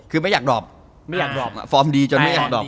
คือไม่อยากดรอบฟอร์มดีจนไม่อยากดรอบ